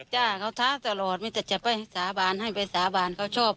คือคือก่อนหน้านี้เค้าบอกว่าเคยไปสาบานอยู่แล้วที่สารสารภูตาอยู่